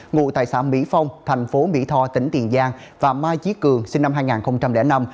ngụ tại xã mỹ phong thành phố mỹ tho tỉnh tiền giang và mai chí cường sinh năm hai nghìn năm